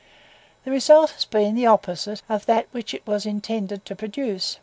The result has been the opposite of that which it was intended to produce.